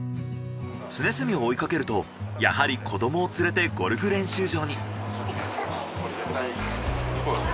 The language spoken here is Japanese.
常住を追いかけるとやはり子どもを連れてゴルフ練習場に。